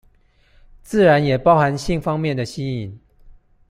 自然也包含性方面的吸引